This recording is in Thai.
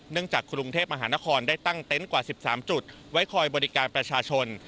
จากกรุงเทพมหานครได้ตั้งเต็นต์กว่า๑๓จุดไว้คอยบริการประชาชน